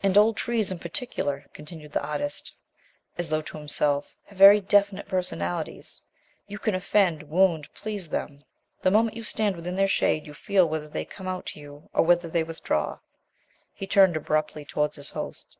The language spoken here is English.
"And old trees in particular," continued the artist, as though to himself, "have very definite personalities. You can offend, wound, please them; the moment you stand within their shade you feel whether they come out to you, or whether they withdraw." He turned abruptly towards his host.